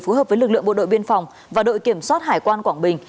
phù hợp với lực lượng bộ đội biên phòng và đội kiểm soát hải quan quảng bình